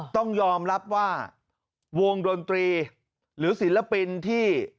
ต้องยอมรับว่าวงดนตรีหรือศิลปินที่